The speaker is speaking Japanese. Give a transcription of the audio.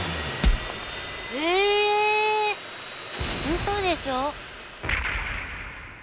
うそでしょ？